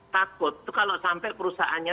takut kalau sampai perusahaannya